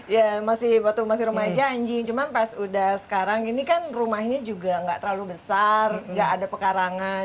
ya waktu masih remaja anjing cuman pas udah sekarang ini kan rumahnya juga nggak terlalu besar nggak ada pekarangan